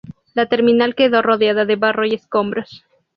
La terminal quedó rodeada de barro y escombros.